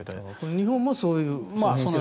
日本もそういうことに。